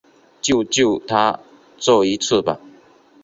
救救他这一次吧